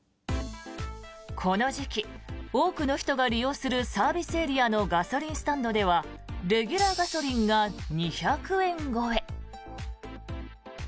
この時期、多くの人が利用するサービスエリアのガソリンスタンドではレギュラーガソリンが２００円超え。